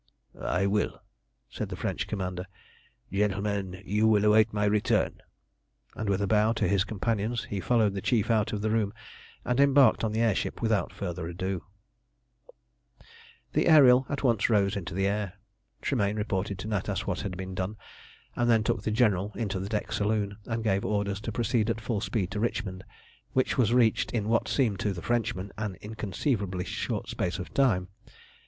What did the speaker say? "I will," said the French commander. "Gentlemen, you will await my return"; and with a bow to his companions, he followed the Chief out of the room, and embarked on the air ship without further ado. [Illustration: "Do you understand now why you could not make terms for Russia?" See page 351.] The Ariel at once rose into the air. Tremayne reported to Natas what had been done, and then took the General into the deck saloon, and gave orders to proceed at full speed to Richmond, which was reached in what seemed to the Frenchman an inconceivably short space of time.